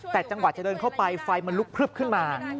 แต่จังหวะจะเดินเข้าไปไฟมันลุกพลึบขึ้นมา